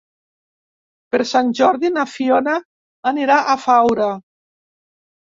Per Sant Jordi na Fiona anirà a Faura.